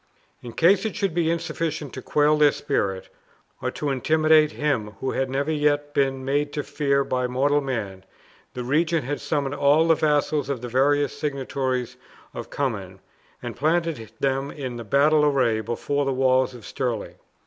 In case it should be insufficient to quail their spirit, or to intimidate him who had never yet been made to fear by mortal man, the regent had summoned all the vassals of the various seigniories of Cummin, and planted them in battle array before the walls of Stirling.